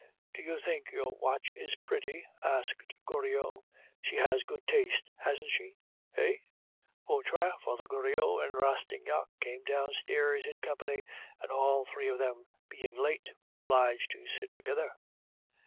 "Do you think your watch is pretty?" asked Goriot. "She has good taste, hasn't she? Eh?" Vautrin, Father Goriot, and Rastignac came downstairs in company, and, all three of them being late, were obliged to sit together.